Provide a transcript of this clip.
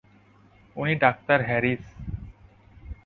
উনি doctor Harris.